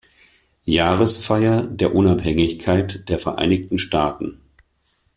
Jahresfeier der Unabhängigkeit der Vereinigten Staaten.